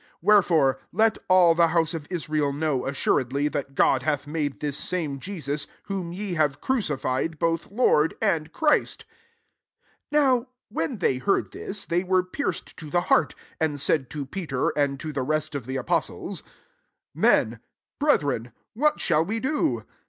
S6 Wherefore, let all the house of Israel know assuredly, that God hath made this same JesuS) whom ye have crucified, boA Lord and Christ" 37 NOW when they heard t/iiay they were pierced to the heart, and said to Peter, and to the rest of the apostles, Men, brethren, what shall we do